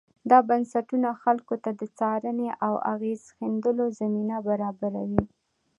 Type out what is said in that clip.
دا بنسټونه خلکو ته د څارنې او اغېز ښندلو زمینه برابروي.